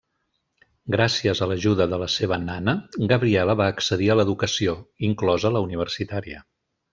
Gràcies a l'ajuda de la seva 'nana', Gabriela va accedir a l'educació, inclosa la universitària.